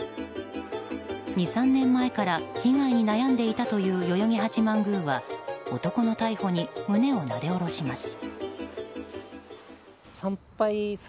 ２３年前から被害に悩んでいたという代々木八幡宮は男の逮捕に胸をなで下ろします。